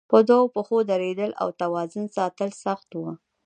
په دوو پښو درېدل او توازن ساتل سخت وو.